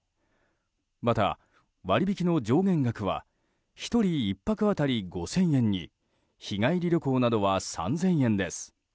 また、割引の上限額は１人１泊当たり５０００円に日帰り旅行などは３０００円です。